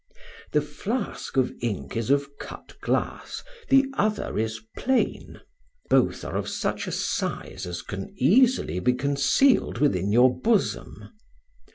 The flask of ink is of cut glass; the other is plain. Both are of such a size as can easily be concealed within your bosom.